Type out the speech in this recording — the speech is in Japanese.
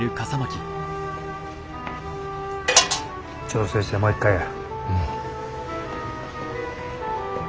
調整してもう一回や。